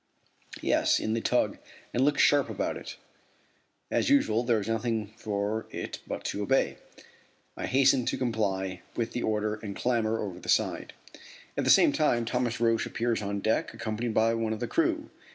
"Yes, in the tug, and look sharp about it." As usual there is nothing for it but to obey. I hasten to comply with the order and clamber over the side. At the same time Thomas Roch appears on deck accompanied by one of the crew.